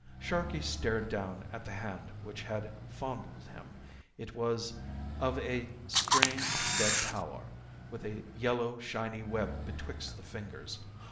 Sharkey stared down at the hand which had fondled him. It was of a strange dead pallor, with a yellow shiny web betwixt the fingers.